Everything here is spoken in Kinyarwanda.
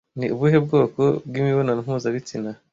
Ni ubuhe bwoko bw'imibonano mpuzabitsina